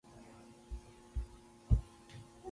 منظور پښتين چې د يوې وياړلې قبيلې د جنګياليانو نه راوتلی دی.